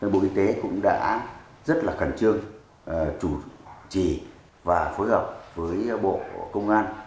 bộ y tế cũng đã rất là cẩn trương chủ trì và phối hợp với bộ công an